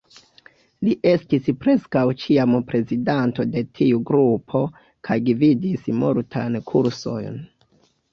Li estis preskaŭ ĉiam prezidanto de tiu grupo kaj gvidis multajn kursojn.